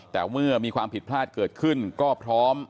แต่เมื่อมีความผิดพลาดเกิดขึ้นก็พร้อม